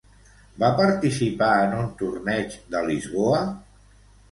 Va participar en un torneig de Lisboa?